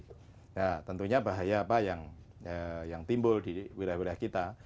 nah tentunya bahaya apa yang timbul di wilayah wilayah kita